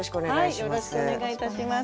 よろしくお願いします。